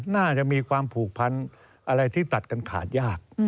น่าจะมีความผูกพันอะไรที่ตัดกันขาดยาก